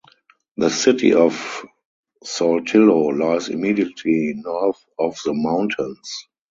The city of Saltillo lies immediately north of the mountains.